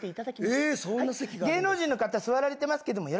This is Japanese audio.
えー、芸能人の方、座られてますけ